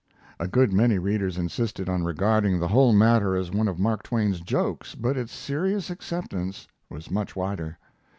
A good many readers insisted on regarding the whole matter as one of Mark Twain's jokes, but its serious acceptance was much wider.